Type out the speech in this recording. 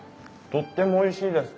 とってもおいしいです。